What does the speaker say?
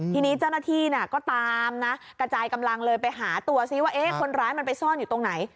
ทีนี้เจ้าหน้าที่ก็ตามนะกระจายกำลังเลยไปหาตัวซิว่าคนร้ายมันไปซ่อนอยู่ตรงไหน